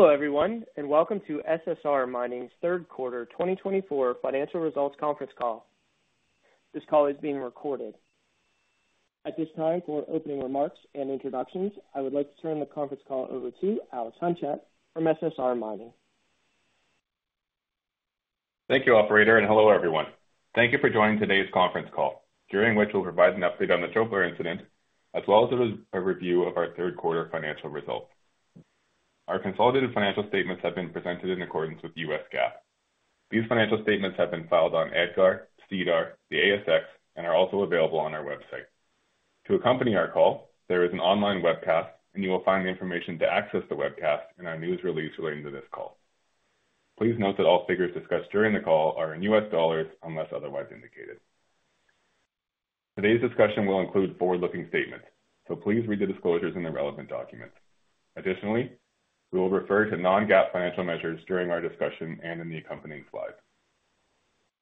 Hello everyone, and welcome to SSR Mining's third quarter 2024 financial results conference call. This call is being recorded. At this time, for opening remarks and introductions, I would like to turn the conference call over to Alex Hunchak from SSR Mining. Thank you, operator, and hello everyone. Thank you for joining today's conference call, during which we'll provide an update on the Çöpler incident, as well as a review of our third quarter financial results. Our consolidated financial statements have been presented in accordance with US GAAP. These financial statements have been filed on EDGAR, SEDAR, the ASX, and are also available on our website. To accompany our call, there is an online webcast, and you will find the information to access the webcast in our news release relating to this call. Please note that all figures discussed during the call are in US dollars unless otherwise indicated. Today's discussion will include forward-looking statements, so please read the disclosures and the relevant documents. Additionally, we will refer to non-GAAP financial measures during our discussion and in the accompanying slides.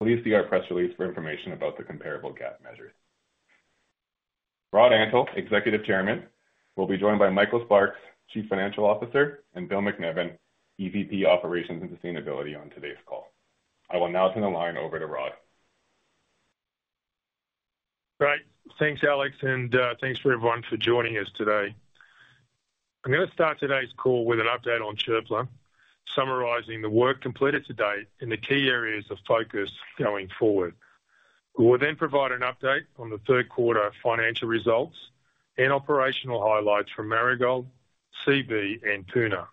Please see our press release for information about the comparable GAAP measures. Rod Antal, Executive Chairman, will be joined by Michael Sparks, CFO, and Bill MacNevin, EVP Operations and Sustainability, on today's call. I will now turn the line over to Rod. Great. Thanks, Alex, and thanks for everyone for joining us today. I'm going to start today's call with an update on Çöpler, summarizing the work completed to date and the key areas of focus going forward. We will then provide an update on the third quarter financial results and operational highlights from Marigold, Seabee, and Puna.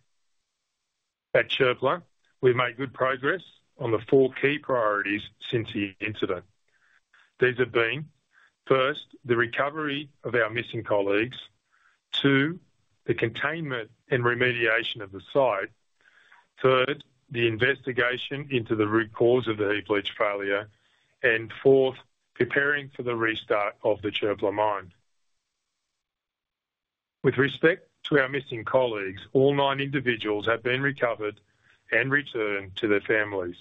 At Çöpler, we've made good progress on the four key priorities since the incident. These have been, first, the recovery of our missing colleagues, two, the containment and remediation of the site, third, the investigation into the root cause of the heap leach failure, and fourth, preparing for the restart of the Çöpler mine. With respect to our missing colleagues, all nine individuals have been recovered and returned to their families.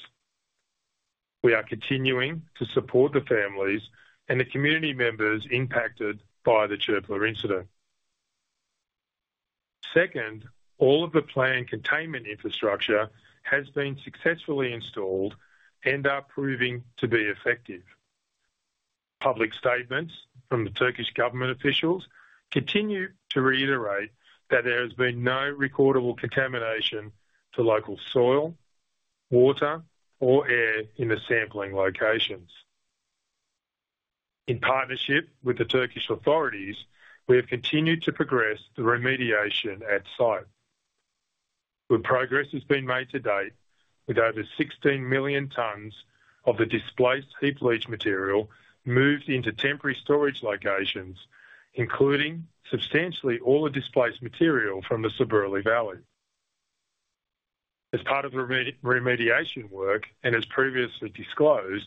We are continuing to support the families and the community members impacted by the Çöpler incident. Second, all of the planned containment infrastructure has been successfully installed and is proving to be effective. Public statements from the Turkish government officials continue to reiterate that there has been no recordable contamination to local soil, water, or air in the sampling locations. In partnership with the Turkish authorities, we have continued to progress the remediation at site. Good progress has been made to date, with over 16 million tons of the displaced heap leach material moved into temporary storage locations, including substantially all the displaced material from the Sabırlı Valley. As part of the remediation work, and as previously disclosed,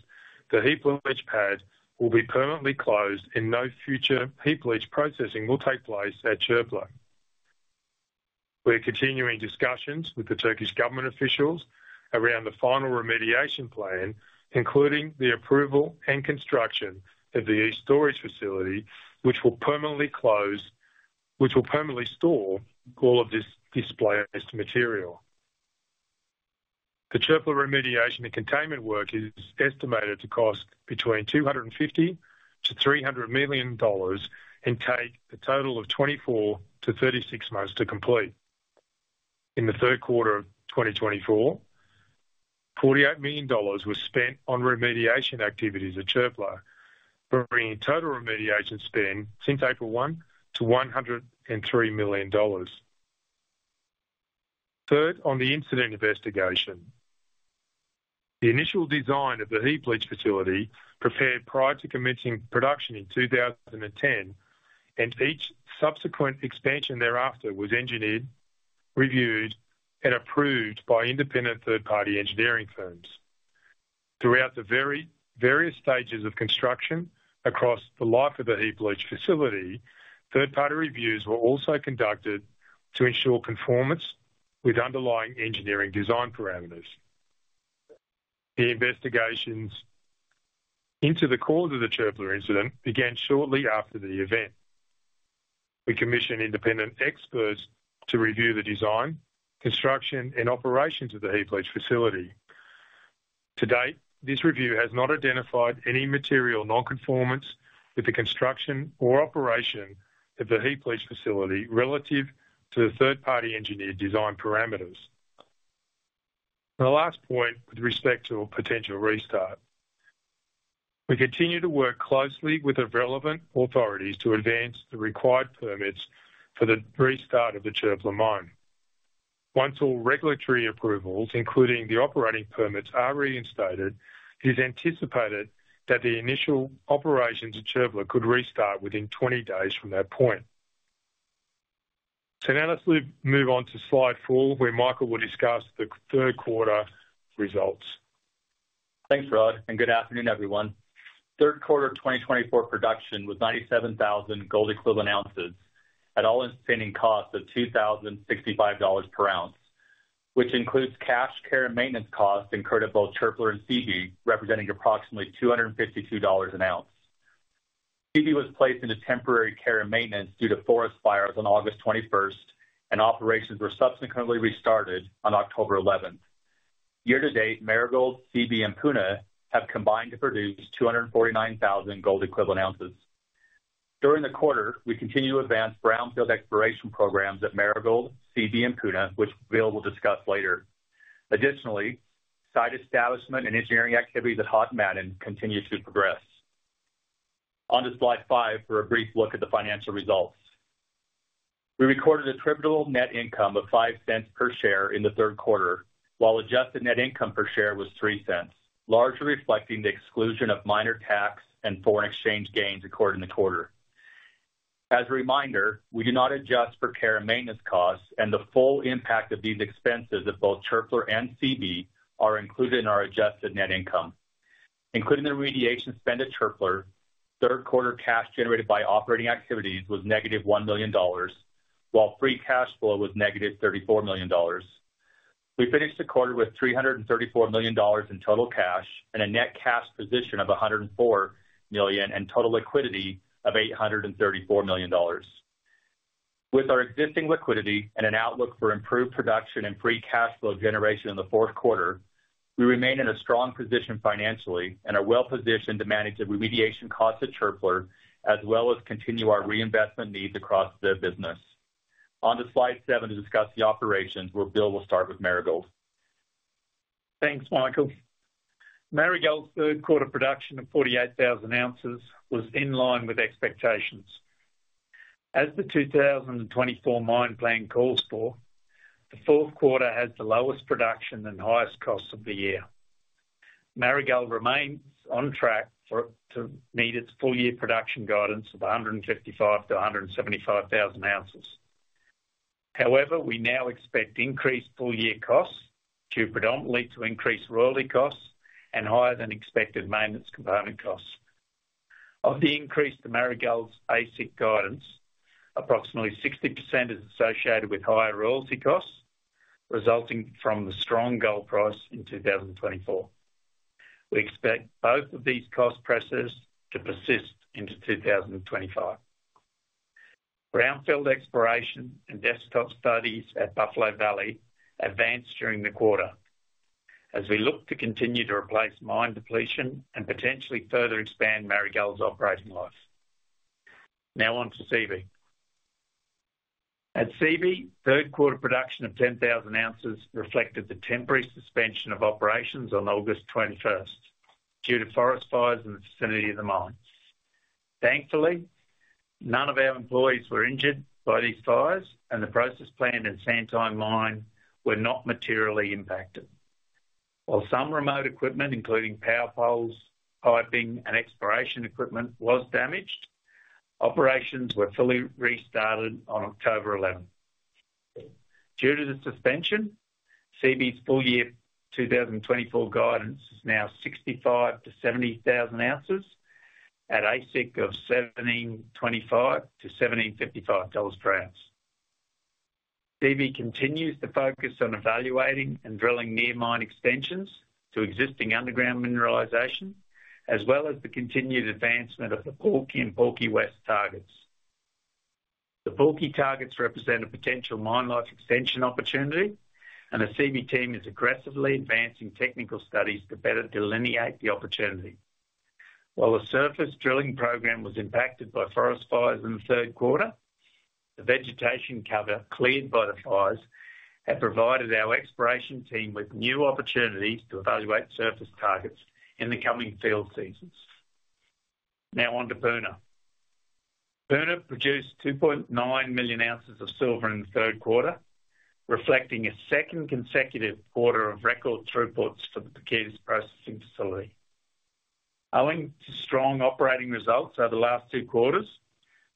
the heap leach pad will be permanently closed and no future heap leach processing will take place at Çöpler. We are continuing discussions with the Turkish government officials around the final remediation plan, including the approval and construction of the storage facility, which will permanently store all of this displaced material. The Çöpler remediation and containment work is estimated to cost between $250-$300 million and take a total of 24-36 months to complete. In the third quarter of 2024, $48 million were spent on remediation activities at Çöpler, bringing total remediation spend since April 1 to $103 million. Third, on the incident investigation, the initial design of the heap leach facility prepared prior to commencing production in 2010, and each subsequent expansion thereafter was engineered, reviewed, and approved by independent third-party engineering firms. Throughout the various stages of construction across the life of the heap leach facility, third-party reviews were also conducted to ensure conformance with underlying engineering design parameters. The investigations into the cause of the Çöpler incident began shortly after the event. We commissioned independent experts to review the design, construction, and operations of the heap leach facility. To date, this review has not identified any material non-conformance with the construction or operation of the heap leach facility relative to the third-party engineered design parameters. The last point with respect to a potential restart, we continue to work closely with the relevant authorities to advance the required permits for the restart of the Çöpler mine. Once all regulatory approvals, including the operating permits, are reinstated, it is anticipated that the initial operations at Çöpler could restart within 20 days from that point. So now let's move on to slide four, where Michael will discuss the third quarter results. Thanks, Rod, and good afternoon, everyone. Third quarter 2024 production was 97,000 gold-equivalent oz at all-in sustaining cost of $2,065 per oz, which includes cash care and maintenance costs incurred at both Çöpler and Seabee, representing approximately $252 an oz. Seabee was placed into temporary care and maintenance due to forest fires on August 21st, and operations were subsequently restarted on October 11th. Year to date, Marigold, Seabee, and Puna have combined to produce 249,000 gold-equivalent oz. During the quarter, we continue to advance brownfield exploration programs at Marigold, Seabee, and Puna, which Bill will discuss later. Additionally, site establishment and engineering activities at Hod Maden continue to progress. On to slide five for a brief look at the financial results. We recorded attributable net income of $0.05 per share in the third quarter, while adjusted net income per share was $0.03, largely reflecting the exclusion of minor tax and foreign exchange gains according to the quarter. As a reminder, we do not adjust for care and maintenance costs, and the full impact of these expenses at both Çöpler and Seabee are included in our adjusted net income. Including the remediation spend at Çöpler, third quarter cash generated by operating activities was negative $1 million, while free cash flow was negative $34 million. We finished the quarter with $334 million in total cash and a net cash position of $104 million and total liquidity of $834 million. With our existing liquidity and an outlook for improved production and free cash flow generation in the fourth quarter, we remain in a strong position financially and are well positioned to manage the remediation costs at Çöpler, as well as continue our reinvestment needs across the business. Onto slide seven to discuss the operations, where Bill will start with Marigold. Thanks, Michael. Marigold's third quarter production of 48,000 oz was in line with expectations. As the 2024 mine plan calls for, the fourth quarter has the lowest production and highest costs of the year. Marigold remains on track to meet its full-year production guidance of 155,000-175,000 oz. However, we now expect increased full-year costs due predominantly to increased royalty costs and higher-than-expected maintenance component costs. Of the increase to Marigold's AISC guidance, approximately 60% is associated with higher royalty costs resulting from the strong gold price in 2024. We expect both of these cost pressures to persist into 2025. Brownfield exploration and desktop studies at Buffalo Valley advanced during the quarter, as we look to continue to replace mine depletion and potentially further expand Marigold's operating life. Now on to Seabee. At Seabee, third quarter production of 10,000 oz reflected the temporary suspension of operations on August 21st due to forest fires in the vicinity of the mine. Thankfully, none of our employees were injured by these fires, and the processing plant at Santoy Mine was not materially impacted. While some remote equipment, including power poles, piping, and exploration equipment, was damaged, operations were fully restarted on October 11th. Due to the suspension, Seabee's full-year 2024 guidance is now 65,000-70,000 oz at AISC of $1,725-$1,755 per oz. Seabee continues to focus on evaluating and drilling near-mine extensions to existing underground mineralization, as well as the continued advancement of the Porky and Porky West targets. The Porky targets represent a potential mine life extension opportunity, and the Seabee team is aggressively advancing technical studies to better delineate the opportunity. While the surface drilling program was impacted by forest fires in the third quarter, the vegetation cover cleared by the fires has provided our exploration team with new opportunities to evaluate surface targets in the coming field seasons. Now on to Puna. Puna produced 2.9 million oz of silver in the third quarter, reflecting a second consecutive quarter of record throughputs for the Pirquitas processing facility. Owing to strong operating results over the last two quarters,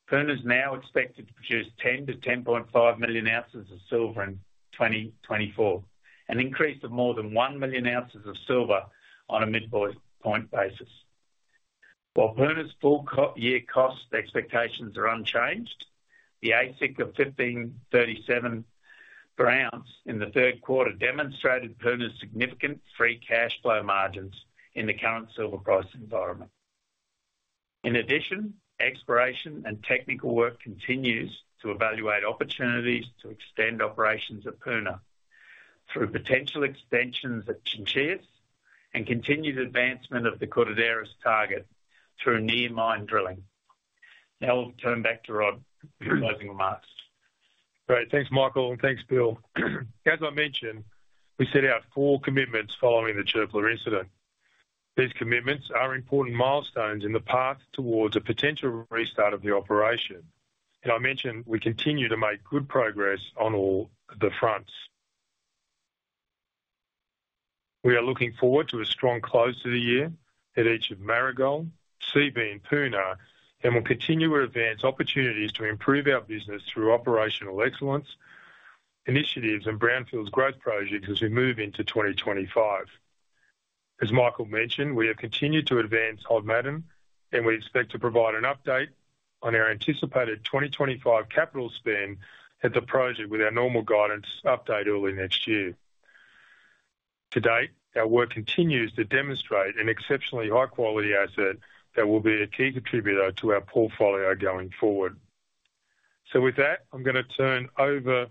Puna is now expected to produce 10 to 10.5 million oz of silver in 2024, an increase of more than one million oz of silver on a midpoint basis. While Puna's full-year cost expectations are unchanged, the AISC of 1,537 per oz in the third quarter demonstrated Puna's significant free cash flow margins in the current silver price environment. In addition, exploration and technical work continues to evaluate opportunities to extend operations at Puna through potential extensions at Chinchillas and continued advancement of the Cortaderas target through near-mine drilling. Now we'll turn back to Rod for closing remarks. Great. Thanks, Michael, and thanks, Bill. As I mentioned, we set out four commitments following the Çöpler incident. These commitments are important milestones in the path towards a potential restart of the operation. And I mentioned we continue to make good progress on all the fronts. We are looking forward to a strong close to the year at each of Marigold, Seabee, and Puna, and will continue to advance opportunities to improve our business through operational excellence initiatives and brownfields growth projects as we move into 2025. As Michael mentioned, we have continued to advance Hod Maden, and we expect to provide an update on our anticipated 2025 capital spend at the project with our normal guidance update early next year. To date, our work continues to demonstrate an exceptionally high-quality asset that will be a key contributor to our portfolio going forward. So with that, I'm going to turn over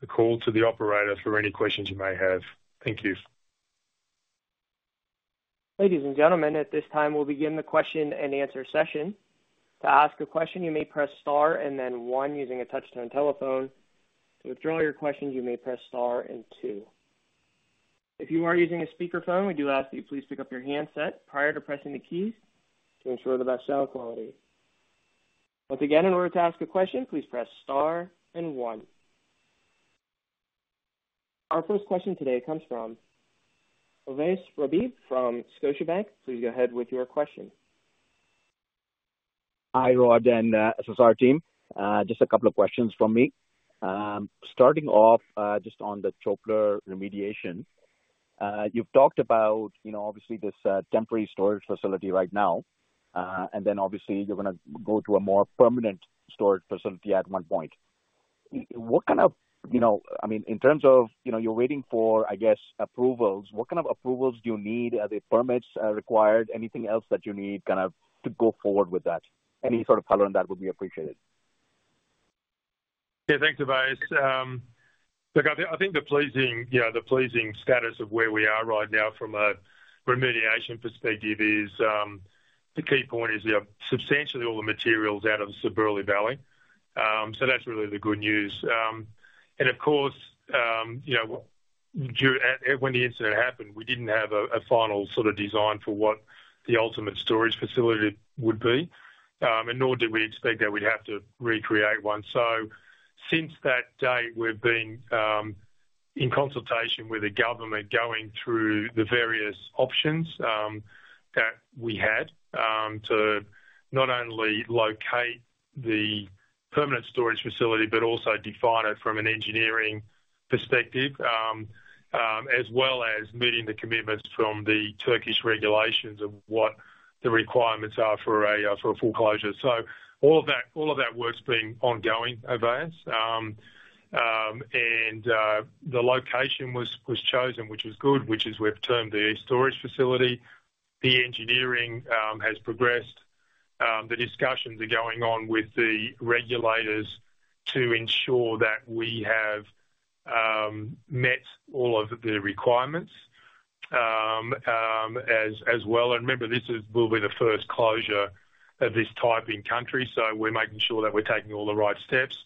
the call to the operator for any questions you may have. Thank you. Ladies and gentlemen, at this time, we'll begin the question and answer session. To ask a question, you may press star and then one using a touch-tone telephone. To withdraw your question, you may press star and two. If you are using a speakerphone, we do ask that you please pick up your handset prior to pressing the keys to ensure the best sound quality. Once again, in order to ask a question, please press star and one. Our first question today comes from Ovais Habib from Scotiabank. Please go ahead with your question. Hi, Rod and SSR team. Just a couple of questions from me. Starting off just on the Çöpler remediation, you've talked about, obviously, this temporary storage facility right now, and then, obviously, you're going to go to a more permanent storage facility at one point. What kind of, I mean, in terms of you're waiting for, I guess, approvals, what kind of approvals do you need? Are there permits required? Anything else that you need kind of to go forward with that? Any sort of color on that would be appreciated. Yeah, thanks, Ovais. Look, I think the pleasing status of where we are right now from a remediation perspective is the key point is substantially all the materials out of the Sabırlı Valley. So that's really the good news. And of course, when the incident happened, we didn't have a final sort of design for what the ultimate storage facility would be, and nor did we expect that we'd have to recreate one. So since that date, we've been in consultation with the government going through the various options that we had to not only locate the permanent storage facility, but also define it from an engineering perspective, as well as meeting the commitments from the Turkish regulations of what the requirements are for a full closure. So all of that work's been ongoing, Ovais. And the location was chosen, which was good, which is we've termed the storage facility. The engineering has progressed. The discussions are going on with the regulators to ensure that we have met all of the requirements as well, and remember, this will be the first closure of this type in country, so we're making sure that we're taking all the right steps,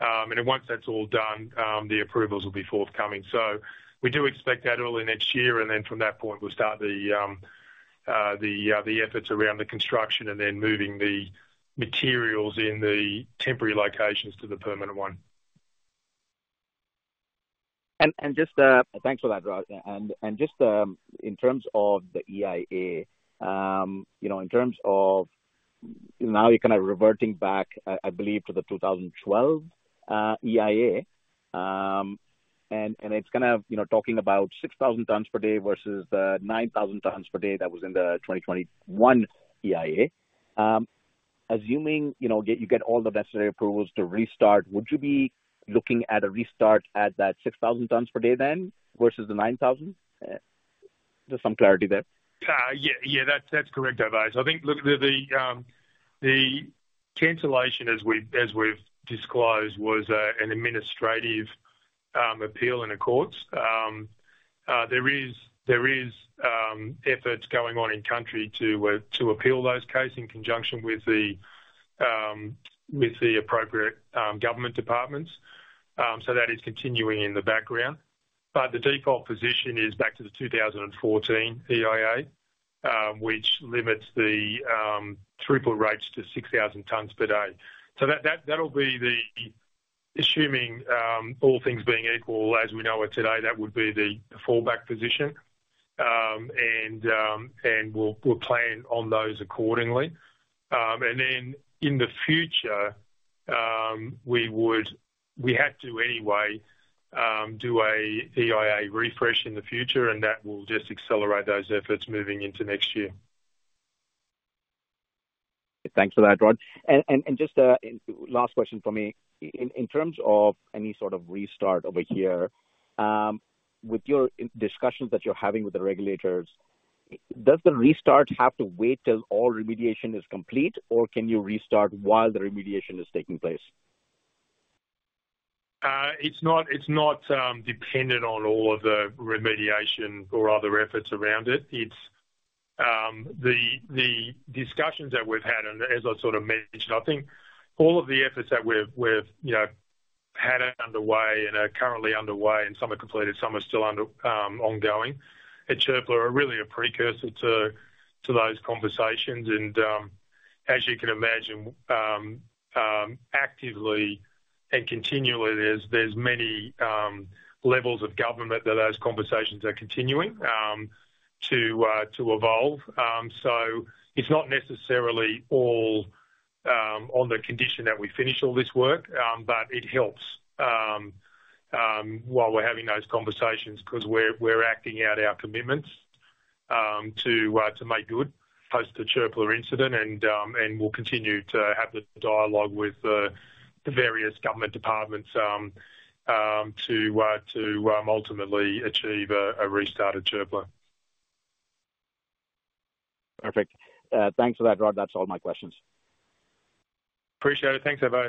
and once that's all done, the approvals will be forthcoming, so we do expect that early next year, and then from that point, we'll start the efforts around the construction and then moving the materials in the temporary locations to the permanent one. Just thanks for that, Rod. Just in terms of the EIA, in terms of now you're kind of reverting back, I believe, to the 2012 EIA, and it's kind of talking about 6,000 tons per day versus the 9,000 tons per day that was in the 2021 EIA. Assuming you get all the necessary approvals to restart, would you be looking at a restart at that 6,000 tons per day then versus the 9,000? Just some clarity there. Yeah, that's correct, Ovais. I think the cancellation, as we've disclosed, was an administrative appeal in a court. There are efforts going on in country to appeal those cases in conjunction with the appropriate government departments. So that is continuing in the background. But the default position is back to the 2014 EIA, which limits the throughput rates to 6,000 tons per day. So that'll be the assuming all things being equal, as we know it today, that would be the fallback position, and we'll plan on those accordingly. And then in the future, we have to anyway do an EIA refresh in the future, and that will just accelerate those efforts moving into next year. Thanks for that, Rod. And just last question for me. In terms of any sort of restart over here, with your discussions that you're having with the regulators, does the restart have to wait till all remediation is complete, or can you restart while the remediation is taking place? It's not dependent on all of the remediation or other efforts around it. The discussions that we've had, and as I sort of mentioned, I think all of the efforts that we've had underway and are currently underway, and some are completed, some are still ongoing at Çöpler are really a precursor to those conversations. And as you can imagine, actively and continually, there's many levels of government that those conversations are continuing to evolve. So it's not necessarily all on the condition that we finish all this work, but it helps while we're having those conversations because we're acting out our commitments to make good post the Çöpler incident, and we'll continue to have the dialogue with the various government departments to ultimately achieve a restart at Çöpler. Perfect. Thanks for that, Rod. That's all my questions. Appreciate it. Thanks, Ovais.